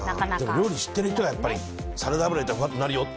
料理知ってる人がサラダ油入れたらふわってなるよって。